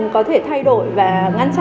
có thể thay đổi và ngăn chặn